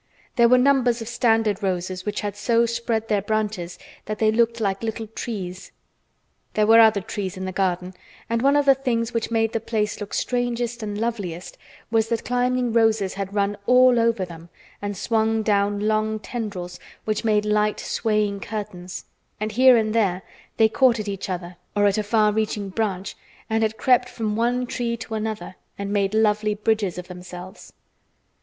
There were numbers of standard roses which had so spread their branches that they were like little trees. There were other trees in the garden, and one of the things which made the place look strangest and loveliest was that climbing roses had run all over them and swung down long tendrils which made light swaying curtains, and here and there they had caught at each other or at a far reaching branch and had crept from one tree to another and made lovely bridges of themselves.